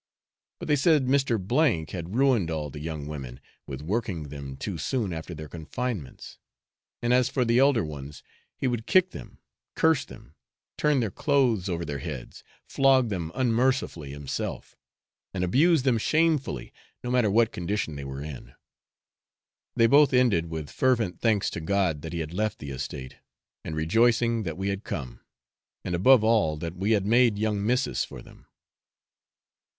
But they said Mr. K had ruined all the young women with working them too soon after their confinements; and as for the elder ones, he would kick them, curse them, turn their clothes over their heads, flog them unmercifully himself, and abuse them shamefully, no matter what condition they were in. They both ended with fervent thanks to God that he had left the estate, and rejoicing that we had come, and, above all, that we 'had made young missis for them.'